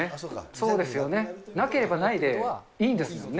そうですよね、なければないでいいんですもんね。